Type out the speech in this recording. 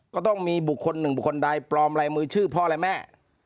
ก็ต้องมีบุคคลหนึ่งบุคคลใดปลอมลายมือชื่อพ่อและแม่